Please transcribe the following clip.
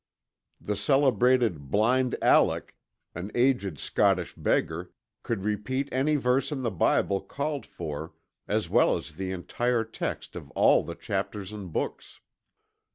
The celebrated "Blind Alick," an aged Scottish beggar, could repeat any verse in the Bible called for, as well as the entire text of all the chapters and books.